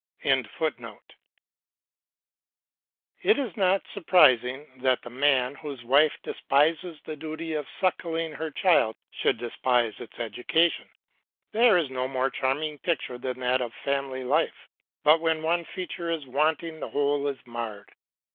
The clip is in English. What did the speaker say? ] It is not surprising that the man whose wife despises the duty of suckling her child should despise its education. There is no more charming picture than that of family life; but when one feature is wanting the whole is marred.